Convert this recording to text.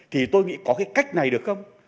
thì tôi nghĩ có cái cách này được không